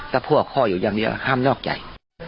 แต่พวกเขาอยู่อย่างนี้ก็ห้ามนอกใจ